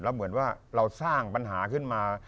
แล้วเหมือนว่าเราสร้างปัญหาขึ้นมา